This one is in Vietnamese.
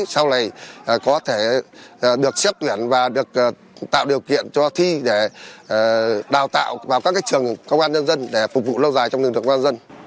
sau này có thể được xếp tuyển và được tạo điều kiện cho thi để đào tạo vào các trường công an nhân dân để phục vụ lâu dài trong lực lượng công an dân